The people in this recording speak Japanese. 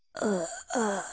ああ。